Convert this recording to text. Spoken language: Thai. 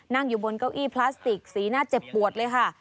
นั่งอยู่บนเก้าอี้พลาสติกสีหน้าเจ็บปวดเลยค่ะ